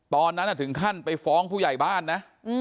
ตอนนั้นถึงขั้นไปฟ้องผู้ใหญ่บ้านนะ